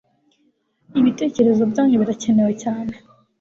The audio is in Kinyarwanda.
Ibitecyerezo byanyu birakenewe cyane